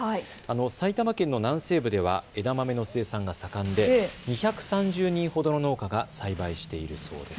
埼玉県の南西部では枝豆の生産が盛んで２３０人ほどの農家が栽培しているそうです。